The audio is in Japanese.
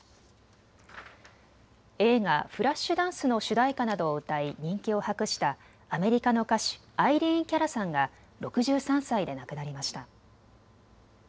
映画フラッシュダンスの主題歌など歌い人気を博したアメリカの歌手、アイリーン・キャラさんが６３歳で亡くなりました。